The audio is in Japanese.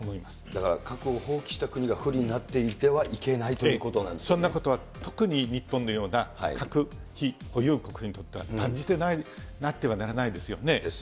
だから核を放棄した国が不利になっていてはいけないというこそんなことは特に日本のような、核非保有国にとっては断じてなってはならないですよね。